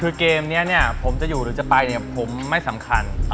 คือเกมนี้เนี่ยผมจะอยู่หรือจะไปเนี่ยผมไม่สำคัญ